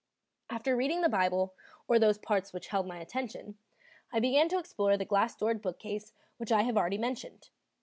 After reading the Bible, or those parts which held my attention, I began to explore the glass doored bookcase which I have already mentioned.